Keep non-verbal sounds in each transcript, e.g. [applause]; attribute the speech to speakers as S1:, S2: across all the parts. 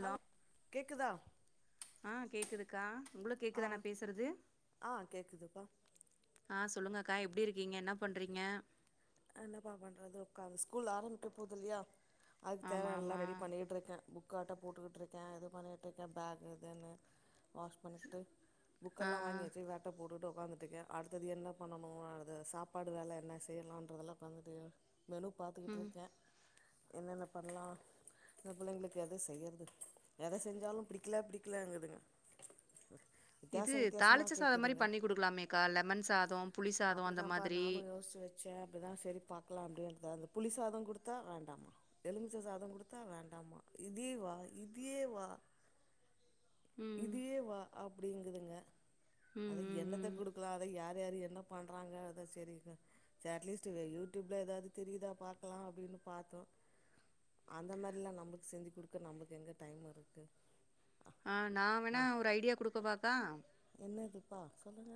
S1: Hello கேக்குதா
S2: அ கேக்குதுக்கா உங்களுக்கு
S1: ஆ
S2: கேக்குதா நா பேசுறது
S1: ஆ கேக்குதுப்பா
S2: ஆ சொல்லுங்கக்கா எப்டி இருக்கீங்க என்ன பண்றீங்க
S1: என்னப்பா பண்றது உக்காது ஸ்கூல் ஆரம்பிக்க போது இல்லயா அதுக்கு தேவ
S2: ஆமா
S1: எல்லா
S2: ஆமா
S1: ரெடி பண்ணிகிட்டுருக்கே புக்கு அட்டை போட்டுக்கிட்டுருக்கே இது பண்ணிட்டுருகே பேக்கு இதுன்னு வாஷ் பண்ணிக்கிட்டு
S2: ஆ ஆ
S1: புக்கெல்லா வாங்கியாச்சு வே அட்டை போட்டுட்டு ஒக்காந்துட்டுருக்கே அடுத்தது என்ன பண்ணனு அத சாப்பாடு வேலை என்ன செய்யலா அதெல்லா பண்ணிட்டியா மெனு பாத்துக்கிட்டு
S2: ம்
S1: இருக்கே என்னென்ன பண்ணலா இந்த புள்ளைங்களுக்கு எத செய்றது எத செஞ்சாலு புடிக்கல புடிக்கலேங்குதுங்க
S2: இது தாளிச்ச சாத மாரி
S1: கேக்குதுங்க
S2: பண்ணி குடுக்கலாமேக்கா லெமன் சாதம் புளி சாதம் அந்த
S1: அதப்பா
S2: மாதிரி
S1: நானு யோசிச்சு வச்சே அப்டிதா சேரி பாக்கலாம்டு அந்த அந்த புளி சாதம் கொடுத்தா வேண்டாமா எலுமிச்ச சாத குடுத்தா வேண்டாமா இதே வா இதே வா
S2: ம்
S1: இதே வா அப்டிங்குதுங்க
S2: ம்
S1: அத
S2: ம்
S1: எண்ணத்த
S2: ம்
S1: குடுக் இல்ல அத யார் யார்ரு என்ன பண்றாங்க அத சேரிங்க சேரி அட்லீஸ்ட் யூடியூப்ல ஏதாது தெரியுதா பாக்கலா அப்டின்னு பாத்தோ அந்த மாரில்லா நம்மள்க்கு செஞ்சு கொடுக்க நம்மள்க்கு எங்க டைம் இருக்கு
S2: அ நா வேணா ஒரு ஐடியா குடுக்க வாக்கா
S1: என்ன இதுப்பா சொல்லுங்க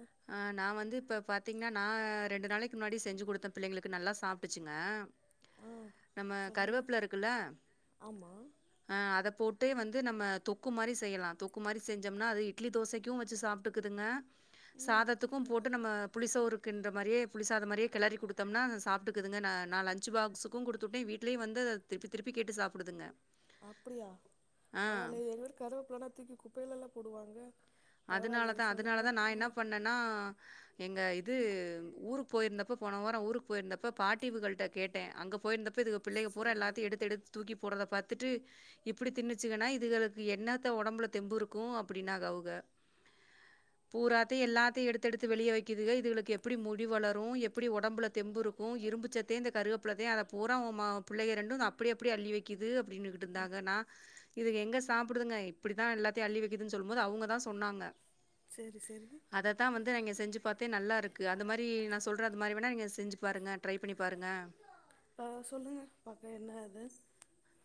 S2: நா வந்து இப்ப பாத்தீங்கன்னா நா ரெண்டு நாளைக்கு முன்னாடி செஞ்சு கொடுத்தே பிள்ளைங்களுக்கு நல்லா சாப்பிட்டுச்சுங்க
S1: ஆ
S2: நம்ம
S1: சொல்லுங்க
S2: கருவேப்பல இருக்குல்ல
S1: ஆமா
S2: அத போட்டு வந்து நம்ம தொக்கு மாரி செய்யலா தொக்கு மாரி செஞ்சோம்னா அது இட்லி தோசைக்கு வச்சு சாப் இருக்குதுங்க
S1: ம்
S2: சாதத்துக்கு
S1: பரவா
S2: போட்டு நம்ம புளிசோறு கின்ற மாரியே புளிசாத மாரியே கிளறி குடுத்தம்னா சாப்டுக்குதுங்க நா லன்ச் பாக்ஸுக்கு குடுத்துட்டே வீட்டு வீட்லயு வந்து அத திருப்பி திருப்பி கேட்டு சாப்பிடுதுங்க
S1: அப்டியா
S2: ஆ
S1: பரவா இல்லேயே எங்க வீட கருவேப்பலனா தூக்கி குப்பையிலல்ல போடுவாங்க பரவாயில்லையே
S2: அதுனாலதா
S1: சொல்லுங்க
S2: அதுனாலதா நா என்ன
S1: ஆ
S2: பண்ணேன்னா எங்க இது ஊருக் போயிருந்தப்ப போன வாரோ ஊருக்கு போயிருந்தப்ப பாட்டி வ்வுகள்ட்ட கேட்டே அங்க போயிருந்தப்ப இதுங்க பிள்ளைங்க பூறா
S1: சரி
S2: எல்லாத்தையு எடுத்து எடுத்து தூக்கி போறத பாத்துட்டு இப்டி தின்னுச்சுங்கன்னா இதுகளுக்கு என்னத்த உடம்புல தெம்பு இருக்கு அப்டின்னாங்கா அவுக பூராத்தையு எல்லாத்தையு எடுத்து எடுத்து வெளிய வைக்குதுக இதுகளுக்கு எப்டி முடி வளரு எப்டி உடம்புல தெம்பு இரு க்கு இரும்புச்சத்தே இந்த கருகப்புள்ள தா அத பூரா ஒ ம புள்ளைக ரெண்டு அப்டி அப்டியே அள்ளி வைக்குது அப்டினு இருந்தாங்க நா இதுக எங்க சாப்டுதுங்க இப்டி தா எல்லாத்தையு அள்ளி வைக்கதுன்னு சொல்லுபோது அவுங்க தா சொன்னாங்க
S1: சரி சரி
S2: அத தா வந்து நா இங்க செஞ்சு பாத்தே நல்லாருக்கு அந்த மாரி நா சொல்ற அந்த மாரி வேணா நீங்க செஞ்சு பாருங்க ட்ரை பண்ணி பாருங்க
S1: இப்ப சொல்லுங்க பாக்கற எனா அது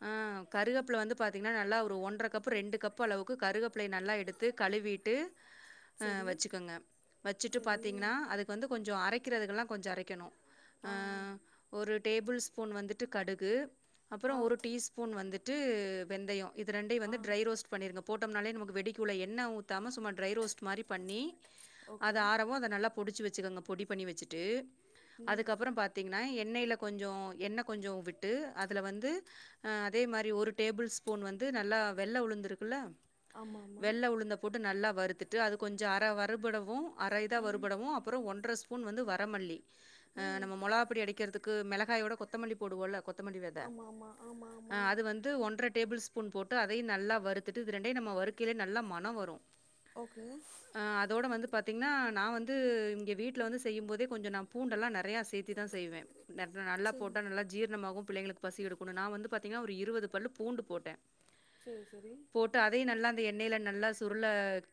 S2: ஆ கருகப்பிள வந்து பாத்திங்கன்னா நல்லா ஒரு ஒன்றரை கப்பு ரெண்டு கப்பு அளவுக்கு கருகப்பிள நல்லா எடுத்து கழுவிட்டு ஆ
S1: சரி
S2: வச்சுக்கோங்க வச்சுட்டு
S1: சரி
S2: பாத்திங்கனா அதுக்கு வந்து கொஞ்சோ அரைக்கிறதுக்கெலா கொஞ்சோ அரைக்கணு ஆ ஒரு டேபிள் ஸ்பூன் வந்துட்டு கடுகு அப்றோ
S1: ஆ
S2: ஒரு டீஸ் ஸ்பூன் வந்துட்டு வெந்தயோ இது ரெண்டையு
S1: ஆ
S2: வந்து ட்ரை ரோஸ்ட் பண்ணிருங்க போட்டோம்னாலே நமக்கு வெடிக்குள்ள எண்ணெ ஊத்தாம சும்மா டிரை ரோஸ்ட் மாரி பண்ணி அத
S1: ஓகே
S2: ஆரவு அத நல்லாப் பொடிச்சு வச்சுக்கோங்க பொடி பண்ணி வச்சுட்டு
S1: ம்
S2: அதுக்கப்றோ பார்த் பாத்தீங்கன்னா எண்ணெய்ல கொஞ்சோ எண்ணெ கொஞ்சோ விட்டு அதுல வந்து ஆ அதே மாரி ஒரு டேபிள் ஸ்பூன் வந்து நல்லா வெள்ள உளுந்துருக்குல
S1: ஆமா ஆமா
S2: வெள்ள உளுந்த போட்டு நல்லா வறுத்துட்டு அது கொஞ்சோ அரை வறுபடவு அரை இத
S1: ம்
S2: வறுபடவு அப்றோ ஒன்ற ஸ் பூன் வந்து வரமல்லி ஆ
S1: ம்
S2: நம்ம மொளாகாப்படி அடிக்கிறதுக்கு மிளகாயோட கொத்தமல்லி போடுவோ இல்ல கொத் கொத்தமல்லி வேத
S1: ஆம்மா ஆமா ஆமா
S2: அது வந்து ஒன்றரை டேபிள் ஸ்பூன் போட்டு அதையு நல்லா வறுத்துட்டு இத ரெண்டேயு நம்ம வறுக்கையிலே நல்லா மனே வரு
S1: ஓகே
S2: ஆ அதோட வந்து பாத்தீங்கன்னா நா வந்து இங்க வீட்டுல வந்து செய்யு போதே கொஞ்சோ நா பூண்டெல்லா நெறைய சேத் தேதா செய்வே நல்லா
S1: சரி
S2: போட்டா நல்லா ஜீரணமாவு பிள்ளைங்களுக்கு பசி எடுக் குனு நா வந்து பாத்தீங்கன்னா ஒரு இருவது பல்லு பூண்டு போட்டே
S1: சேரி சேரி
S2: போட்டு அதையு நல்லா அந்த எண்ணெயில நல்லா சுருள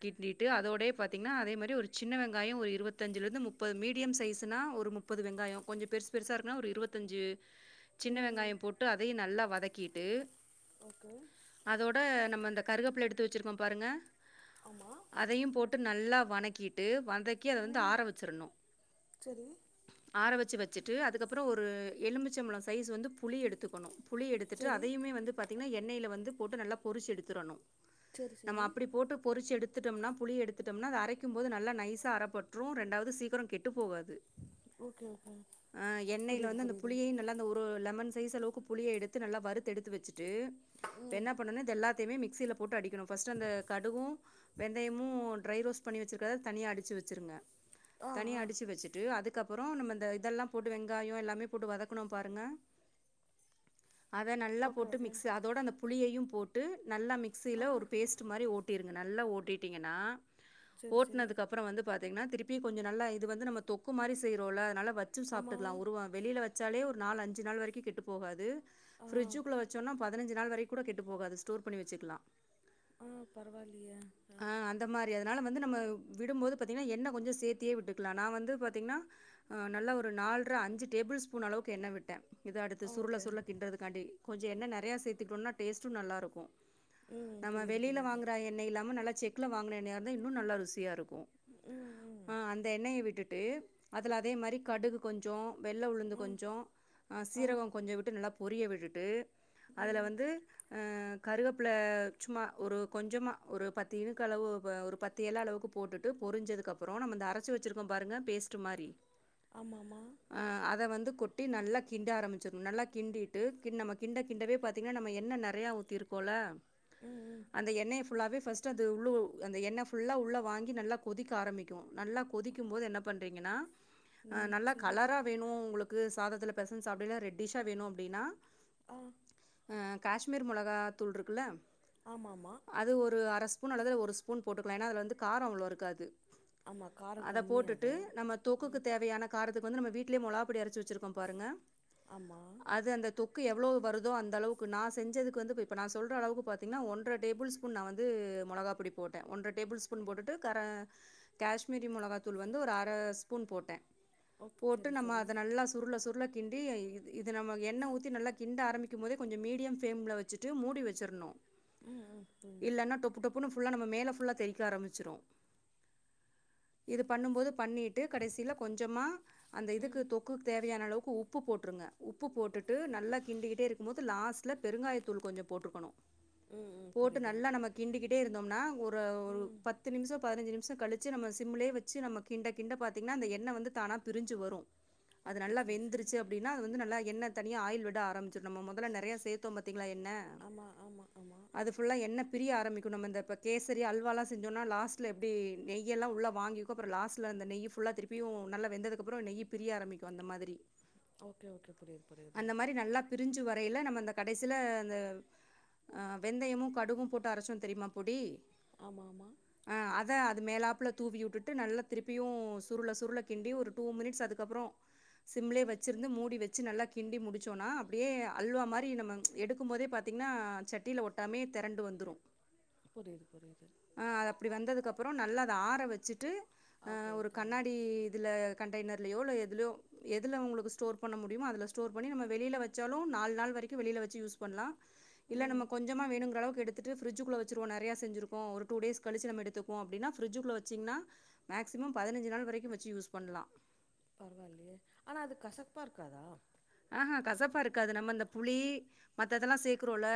S2: கீண்டிட்டு அதோட பாத்திங்கன்னா அதே மாரி ஒரு சின்ன வெங்காயோ ஒரு இருவ த்தஞ்சுலருந்து முப்பது மீடியம் சைஸுன்னா ஒரு முப்பது வெங்காயோ கொஞ்சோ பெருச பெருசாக இருக்குன்னா ஒரு இருவத்தஞ்சு சின்ன
S1: ம்
S2: வெங்காயோ போட்டு அதையு நல்லா வதக்கிட்டு
S1: ஓகே
S2: அதோட நம்ம இந்த கருகப்பிள எடுத்து வச்சிருக்கோ பாருங்க
S1: ஆமா
S2: அதையு போட்டு நல்லா வணக்கிட்டு வதக்கி அத வந்து
S1: ம்
S2: ஆற வச்சிரணு
S1: சரி
S2: ஆற வச்சு வச்சுட்டு அதுக்கப்றோ ஒரு எலுமிச்சம்பழ சைஸ் வந்து புளி எடுத்துக்கணு புளி எடுத்துட்டு
S1: சரி
S2: அதையுமே வந்து பாத்திங்கன்னா எண்ணெய்ல வந்து போட்டு நல்லா பொறிச்சு எடுத்துடணு
S1: செரி
S2: நம்ம
S1: செரி
S2: அப்டி போட்டு பொறிச்சு எடுத் துட்டோம்னா புளி எடுத்துட்டோம்னா அத அரைக்கு போது நல்லா நைசா அரப்பற்று ரெண்டாவது சீக்கிரோ கெட்டு போகாது
S1: ஓகே ஓகே
S2: ஆ எண்ணெயில
S1: புரியுது
S2: வந்து அந்த
S1: புரியுது
S2: புளியையு நல்லா ஒரு இப்போ லெமன் சைஸ் அளவுக்கு புளிய எடுத்து நல்லா வறுத்து எடுத்து வச்சுட்டு இப்போ
S1: ம்
S2: என பண்ணனு எல்லாத் தெயுமே மிக்சில போட்டு அடிக்கணு ஃபர்ஸ்ட் அந்த கடுவு வெந்தயமு ட்ரை ரோஸ்ட் பண்ணி வச்சுருக்கறத தனியா அடிச்சு வச்சுருங்க
S1: ஆ
S2: தனியா
S1: ஆ
S2: அடிச்சு வச்சுட் ட்டு அதுக்கப்றோ நம்ம இந்த இதெல்லா போட்டு வெங்காயோ எல்லாமே போட்டு வதக்குணோ பாருங்க அத நல்லா
S1: ஓகே
S2: போட்டு
S1: ஓகே
S2: மிக்ஸ் அதோட அந்த புளியையும் போட்டு நல்லா மிக்சியில
S1: ஆ
S2: ஒரு பேஸ்ட்டு மாரி ஓட் டிருங்க நல்லா ஓட்டிட்டீங்கன்னா
S1: செரி செரி
S2: ஓட்னதுக்கப் அப்புறோ வந்து பாத்திங்கன்னா திருப்பி கொஞ்ச நல்லா இது வந்து நம்ம தொக்கு மாரி செய்றோல அதனால வச்சூ
S1: ஆமா
S2: சாப்ட்டுக்கலா ஒரு வா வெளியில வச்சாலே ஒரு நாலு அஞ்சு நாள் வரைக்கு கெட்டுப் போகாது
S1: ஆ
S2: ஃபிரிட்ஜுக்குள்ள வச்சோன்னா பதினஞ்சு நாள் வரைக்கு கூடக் கெட்டு போகாது ஸ்டோர் பண்ணி வச்சுக்கலா
S1: ஆ பரவாயில்லயே ஆ
S2: இந்த மாரி அதனால வந்து நம்ம விடும்போது பாத்தீங்கன்னா எண்ண கொஞ்சோ சேத்தியே விட்டுக்கலா நா வந்து பாத்தீங்கன்னா நல்லா ஒரு நால்ற அஞ்சு டேபிள் ஸ்பூன் அளவுக்கு எண்ண விட்ட இத அடுத் து
S1: ஆ
S2: சுருள
S1: ஓகே
S2: சுருள கின்றதுக்காண்டி கொஞ்சோ எண்ண நறையா சேத்திக்ட்டோண்னா டேஸ்ட்டு நல்லா இருக்கு
S1: ம்
S2: நம்ம
S1: புரியுது
S2: வெளியில
S1: புரியுது
S2: வாங்குற எண்ண இல்லாம நல்லா செக்ல வாங்கன எண்ணயா இருந்தா இன்னு நல்லா ருசியா இருக் கு
S1: ம் ம்
S2: அ அந்த எண்ணெய விட்டுட்டு அதுல அதே மாரி கடுகு கொஞ்சோ வெள்ள உளுந்து
S1: ம்
S2: கொஞ்சோ அ
S1: ஆ
S2: சீரகோ கொஞ்சோ விட்டு நல்லா பொரிய விட்டுட்டு அதுல
S1: ம்
S2: வந்து அ கருவப்பில சும்மா ஒரு கொஞ்சமா ஒரு பத்து இனுக்கு அளவு ப ஒரு பத் து எல அளவுக்கு போட்டுட்டு பொரிஞ்சதுக்கு அப்புறோ நம்ம இந்த அரைச்சு வச்சிருக்கோம் பாருங்க பேஸ்ட்டு மாறி
S1: ஆமாமா
S2: அ அத வந்து கொட்டி நல்லா கிண்ட ஆரம்பி ச்சர்னு நல்லா கிண்டிட்டு கின் நம்ம கிண்ட கிண்டவே பாத்தீங்கன்னா நம்ம எண்ண நறையா ஊத்தியிருக்கோல
S1: ம் ம்
S2: அந்த எண்ணெய ஃபுல்லாவே ஃபஸ்ட்டு அந்த உள்ளு அந்த எண்ண ஃபுல்லா உள்ள வாங்கி நல்லா கொதிக்க ஆரம்பிக்கு நல்லா கொதிக்கும் போது என்ன பண்றீங்கன்னா அ
S1: ம்
S2: நல்லா
S1: சரி சரி
S2: கலரா வேணு உங்களுக்கு சாதத்துல பெசஞ்சு சாப்படைய்ல்ல ரெட்டிஷ்ஷா வேணு அப்டினா
S1: ஆ
S2: அ கேஷ்மீர் மொளகா தூள்ருக்குல்ல
S1: ஆமாமா
S2: அது ஒரு அர ஸ்பூன் அல்லது ஒரு ஸ்பூன் போட்டுக்கலா ஏனா அதுல வந்து காரோ அவ்வளோ இருக்காது
S1: ஆமா காரம்
S2: அத
S1: கம்மி
S2: போட்டுட்டு
S1: அது
S2: நம்ம தொக்குக்கு
S1: ம்
S2: தேவையான காரத்துக்கு வந்து நம்ம வீட்லயே மொளாகாப் பொடி அரைச்ச வச்சிருக்கோம் பாருங்க
S1: ஆமா
S2: அது அந்த தொக்கு எவ்ளோ வருதோ அந்த அளவுக்கு நா செஞ்சதுக்கு வந்து இப்ப இப்ப நா சொல்ற அளவுக்கு பா த்தீங்கன்னா ஒன்ற டேபிள் ஸ்பூன் நா வந்து மொளகாப்பொடி போட்ட ஒன்ற டேபிள் ஸ்பூன் போட்டுட்டு கர கேஷ்மீரி மொளகாத்தூள் வந்து ஒரு அர ஸ்பூன் போட்ட
S1: ஓகே
S2: போட்டு
S1: சரி
S2: நம்ம
S1: சரி
S2: அத நல்லா சுருள சுருள கிண்டி இது நம்ம எண்ண ஊத்தி நல்லா கிண்ட ஆரம்பிக்கும் போதே கொஞ்சோ மீடியம் ஃப்ம்ல வச்சுட்டு மூடி வச்சறணு
S1: ம் ம் ம்
S2: இல்லன்னா டொப்பு டொப் புணு ஃபுல்லா நம்ம மேல ஃபுல்லா தெறிக்க ஆரம்பிச்சிரு இது பண்ணும்போது பண்ணிட் டு கடைசில கொஞ்சமா அந்த இதுக்கு
S1: ம்
S2: தொக்குக்கு தேவையான அளவுக்கு உப்பு போட்டுருங்க உப்பு போட்டுட்டு
S1: ஓகே
S2: நல்லா கிண்டிக்கிட்டே இருக்கும் போது லாஸ்ட்ல பெருங்காயத்தூள் கொஞ்சோ போட்ருக்கணு
S1: ம் ம்
S2: போட்டு
S1: புரியுது
S2: நல்லா நம்ம கிண்டிக்கிட்டே இருந்தோம்னா ஒரு ஒரு
S1: ம்
S2: பத் பத்து நிமிசோ பதினைஞ்சு நிமிசோ கழிச்சு நம்ம சிம்லே வச்சு நம்ம கிண்ட கிண்ட பாத்தீங்கன்னா அந்த எண்ண வந்து தானா பிரிஞ்சு வரு அது
S1: ஓகே
S2: நல்லா
S1: சரி சரி
S2: வெந்துருச்சு அப்டின்னா வந்து நல்லா எண்ண தனியா ஆயில் விட ஆரம்பிச்சுரும் நம்ம மொதல்ல நறைய சேத்தோம் பாத்தீங்களா எண்ண
S1: ஆமா ஆமா ஆமா
S2: அது ஃபுல்லா எண்ண பிரிய ஆரம்பிக்கு நம்ம இந்தப்ப கேசரி அல்வாலா செஞ்சோன்னா லாஸ்ட்ல் எப்டி நெய் எல்லா உள்ள வாங்கி கு அப்புறோ லாஸ்ட்ல அந்த நெய் ஃபுல்லா திருப்பியு நல்லா வெந்ததுக்கு அப்புறோ நெய் பிரிய ஆரம்பிக்கு அந்த மாதிரி
S1: ஓகே ஓகே புரியுது புரியுது
S2: அந்த மாரி நல்லா பிரிஞ்சி வரையில நம்ம அந்த கடைசில அந்த அ வெந்தயமு கடுகு போட்டு அரச்சோ தெரியுமா பொடி
S1: ஆமாமா
S2: ஆ அத அது மேலாப்ல தூவி வுட்டுட்டு நல்லா திருப்பியு சுருள சுருள கிண்டி ஒரு டூ மினிட்ஸ் அதுக்கப்றோ சிம்லே வச்சிருந்து மூடி வெ ச்சி நல்லா கிண்டி முடிச்சோனா அப்டியே அல்வா மாரி நம்ம எடுக்கு போதே பாத்தீங்னா சட்டியில ஒட் டாமே தெரண்டு வந்துரு
S1: புரியுது புரியுது
S2: அ அது அப்டி வந்ததுக்கு அப்புறோ நல்லா அத ஆற வச்சிட்டு அ
S1: ஓகே
S2: ஒரு
S1: ஓகே
S2: கண்ணாடி இதுல கண்டைனர்லயோ இல்ல எதுல்யோ எதுல உங்களுக்கு ஸ்டோர் பண்ண மு டியுமோ அதுல ஸ்டோர் பண்ணி நம்ம வெளியில வச்சாலு நாள் நாள் வரைக்கு வெளியில வச்சி யூஸ் பண்லா இல்ல
S1: ம்
S2: நம்ம கொஞ்சமா வேணுங்கிறளவுக்கு எடுத்துட்டு ப்ரி்ஜக்குள்ள வச்சிருவோ நெறைய செஞ்சிருக்கோ ஒரு டூ டேஸ் கழிச்சி நம்ம எடுத்து போ அப்டினா பிரிட்ஜ் குள்ள வச்சீங்னா மேக்சிமம் பதினஞ்சி நாள் வரைக்கு வச்சி யூஸ் பண்லா
S1: பரவால்லியே ஆனா அது கசப்பா இருக்காதா
S2: ஆஹா கசப்பா இருக்காது நம்ம இந்த புளி மத்த இதெல்லா சேக்றோல்ல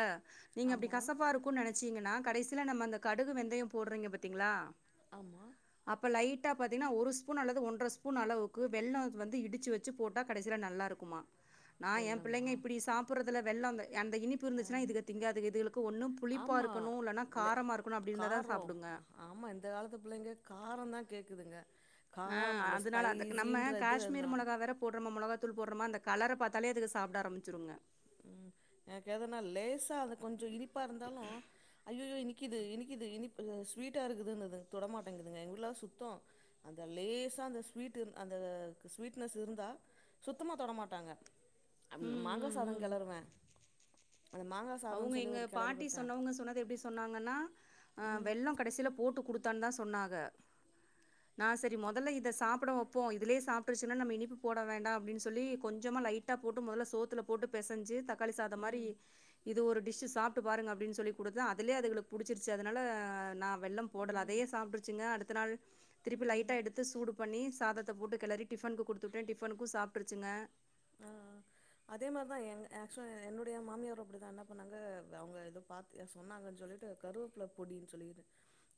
S2: நீங்க அப்டி
S1: ஆமா
S2: கசப்பா இருக் கு நெனச்சீங்கனா கடைசில நம்ம அந்த கடுகு வெந்தய போட்றீங்க பாத்தீங்ளா
S1: ஆமா
S2: அப்ப லைட்டா பாத்தீங்கனா ஒரு ஸ்பூன் அல்லது ஒன்ற ஸ்பூன் அளவுக்கு வெள்ளோ வந்து இடிச்சி வச் சி போட்டா கடைசில நல்லா இருக்குமா நா எ
S1: வெல்லமா
S2: பிள்ளைங்க இப்டி சாப்புறதுல வெள்ளோ அந்த அந்த இனிப் பு
S1: ஆ
S2: இருந்துச்சுனா இதுக திங்காதுக இதுகலுக்கு ஒன்னு புளிப்பா
S1: ஆமா
S2: இருக்கணு இல்லனா
S1: இல்ல
S2: காரமா இருக்கணு அப்டி இருந்தா தா
S1: காரோ
S2: சாப்டுங்க
S1: ஆமா இந்த காலத்து புள்ளைங்க காராந் தா கேக்குதுங்க
S2: ஆ
S1: காரம் அந்த ஸ்பைஸின்றது வேன்னு
S2: போட்றமா மொளகத்தூள் போட்றமா அந்த கலர பாத்தாலே அதுக சாப்ட ஆரம்பிச்சுருங்க
S1: ம் எனக்கு எதுனா லேசா அது கொஞ்சோ இனிப்பா இருந்தாலு அய்யயோ இனிக்கிது இனிக்கிது இனிப் பு ஸ்வீட்டார்க்குதுன்னுது தொட மாட்டேங்கிதுங்க எங்க வீட்லலா சுத்தோ அந்த லேசா அந்த ஸ்வீட்டு அந்த ஸ்வீட்னஸ் இருந்தா சுத்தமா தொட மாட்டாங்க அம்
S2: ம்
S1: மாங்கா
S2: ம்
S1: சாதோ
S2: ம்
S1: கெளறுவே அந்த மாங்கா சாதோன்னு
S2: அவுங்க
S1: சொல்லி
S2: எங்க
S1: ஒரு கெளறி
S2: பாட்டி
S1: குடுத்தே
S2: சொன்னவுங்க சொன்னது எப்டி சொன்னாங்கன்னா ஆ
S1: ம்
S2: வெள்ளம் கடசில போட்டு குடுத்தன் தா சொன்னாக நா செரி மொதல்ல இத சாப்புட வப்போ இதுலேயே சாப்ட்ருச்சுன்னா நம்ம இனிப்பு போட வேண்டா அப்டின் சொல்லி கொஞ்சமா லை டா போட்டு மொதல்ல சோத்துல போட்டு பெசஞ்சி தக்காளி சாதோ மாரி
S1: ம்
S2: இது ஒரு டிஷ்ஷு சாப்ட்டு பாருங்க அப்டின் சொல்லி குடுத்து அதுலயே அதுகளுக் புடிச்சிருச்சி அதனால நா வெள்ளம் போடல
S1: ம்
S2: அதயே சாப்ட்ருச்சிங்க அடுத்த நாள் திருப்பி லைட்டா
S1: ம்
S2: எடுத்து சூடு பண்ணி சாதத்த போட்டு கெளறி டிஃபன்க்கு குடுத்து வுட்ட டிஃபனுக்கு சாப்ட்டுருச்சுங்க
S1: ஆ அதே மார்தா எங் ஆக்சுலா என்னுடைய மாமியார் அப்டிதா என்ன பண்ணாங்க அவுங்க எது பாத் ஏ சொன்னாங்கன் சொல்லிட்டு கருவேப்ல பொடின் சொல்லிட்டு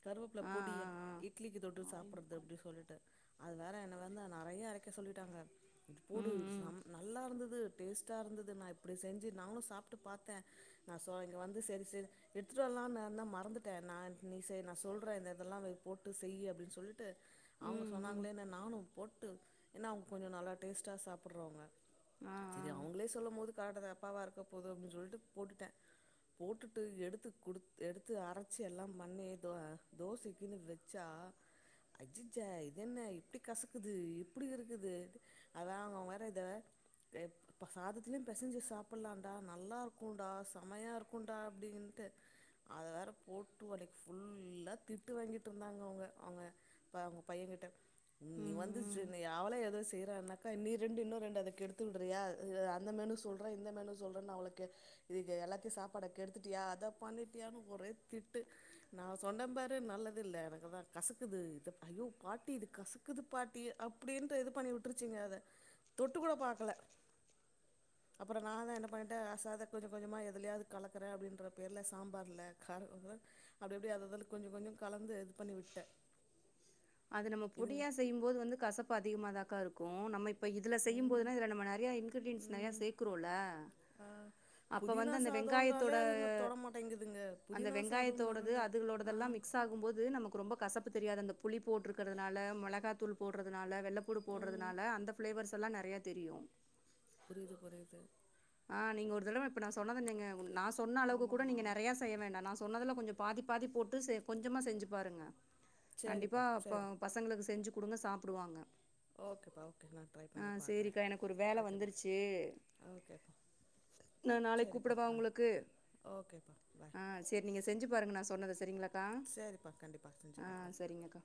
S1: கருவேப்புல
S2: ஆ, ஆ,
S1: பொடியா இட்லிக்கு தொட்டு
S2: ஆ. ஆறே
S1: சாப்புறது
S2: முக்கால்
S1: அப்டி சொல்ட்டு அத வேறு என்ன வந்து நெறைய அரைக்க சொல்லிட்டாங்க இது
S2: ம்,
S1: போடு
S2: ம்.
S1: நம் நல்லா இருந்தது டேஸ்ட்டா இருந்தது நா இப்டி செஞ்சி நாங்களு சாப்ட்டு பாத்தே நா சோ இங்க வந்து செரி செரி எடுத்துட் வரலான் இருந்த மறந்துட்ட நா நீ சே நா சொல்ற இந்த இதெல்லா வெ போட்டு செய்யு அப்டின் சொல் டு
S2: ம்,
S1: அவுங்க
S2: ம்.
S1: சொன்னாங்களேனு நானு போட்டு ஏனா அவுங்க கொஞ்சோ நல்லா டேஸ்ட்டா சாப்புறவங்க
S2: ஆ,
S1: இது
S2: ஆ.
S1: அவுங்ளே சொல்லு போது கரெட்டு தப்பாவா இருக்க போது அப்டின் சொல்ட்டு போட்டுட்ட போட்டுட்டு எடுத்து குடுத் எடுத்து அரச்சி எல்லா மண்ணே தோ தோசைக்குனு வெ ச்சா அச்சச்ச இது என்ன இப்டி கசக்குது இப்டி இருக்குது அதா அவ்ங்க வேற இத ப்பா சாதத்துலு பெசஞ்சு சாப்புட்லான்டா நல்லா இருக்குன்டா செமையா இருக்குன்டா அப்டின்ட்டு அத வேற போட்டு அன்னக்கி ஃபுல்லா திட்டு வாங்கிட்டு இருந்தாங்க அவுங்க அவ்ங்க இப்ப அவுங்க பையங் கிட்ட ம் நீ வந்துச்சுன்னு யாவ்ளே ஏதோ செய்றானாக்கா நீ ரெண்டு இன்னொ ரெண்டு அத கெடுத் துடுறியா அந்த மெனு சொல்ற இந்த மெனு சொல்றன அவ்ள கெ இதுக்கு எல்லாத்தயு சாப்பாட கெடுத்துட்டியா அத பண்ணிட்டியானு ஒரே திட்டு நா சொன்னெம் பாரு நல்லது இல்ல எனக்குதா கசக்குது இத ஐயோ பாட்டி இது கசக் குது பாட்டி அப்டின்டு இது பண்ணி விட்ருச்சிங்க அத தொட்டு கூட பாக்கல அப்பறொ நா தா என்ன பண்ணிடே அசாத கொஞ்சொ கொஞ்சமாக எதுல்யாது கலக்கறே அப்டின்ற பேர்ல சாம்பார்ல கார [unintelligible] அப்டி அப்டி அததல்ல கொஞ்சொ கொஞ்சொ கலந்து இது பண்ணி விட்டே
S2: அது நம்ம
S1: இதுங்
S2: பொடியா செய்யும்போது வந்து கசப்பு அதிகமாதாக்கா இருக்கு நம்ம இப் ப்ப இதுல செய்யும்
S1: ம்
S2: போதுனா இதுல நம்ம நெறைய இன்கிரிடிய்ன்ஸ் நெறைய
S1: ம்
S2: சேக்குறோல
S1: ஆ புதினா சாதொன்றாலே அதுங்க தொட மாட்டெங்குதுங்க
S2: அந்த
S1: புதினா
S2: வெங்காயத்தோடது,
S1: சாதொனாலோட ஆ
S2: அதுகளோடதெல்லாம் மிக்ஸ் ஆகும்போது நமக்கு ரொம்ப கசப்பு தெரியாது அந்த புளி போட்ருக்றதுனால மொளகா தூள் போட்றதுனால வெள்ள பூ டு
S1: ம்
S2: போட்றதுனால அந்த ஃப்ளேவர்ஸ் எல்லா நெறையா தெரியு
S1: புரியுது புரியுது
S2: ஆ நீங்க ஒரு தடவ இப்ப நா சொன்னத நீங்க நா சொன்ன அளவுக்கு கூட
S1: ஆமாம்மா
S2: நீங்க நெறைய செய்ய வேண்டா நா சொன்னதுல கொஞ்சொ பாதி பாதி போட்டு செ கொஞ்சமா செஞ்சு பாருங்க கண்டிப்பா
S1: சேரிப்பா
S2: ப்ப
S1: சேரி
S2: பசங்களுக்கு செஞ்சு குடுங்க சாப்டுவாங்க
S1: ஓகேப்பா ஓகே நா ட்ரை
S2: அ
S1: பண்ணி பாக்குறே
S2: சேரிக்கா எனக்கு ஒரு வேல
S1: ஓகேப்பா
S2: வந்துருச்சு
S1: ஓகேப்பா
S2: ந நாளைக்
S1: சேரிப்பா
S2: கூப்புடவா
S1: பாய்
S2: உங்களுக்கு
S1: ஓகேப்பா பாய்
S2: ஆ செரி நீங்க செஞ்சு பாருங்க நா சொன்னத செரிங்ளாக் க்கா
S1: சரிப்பா கண்டிப்பா செஞ்சு
S2: ஆ
S1: பாக்குறே
S2: செரிங்கக்கா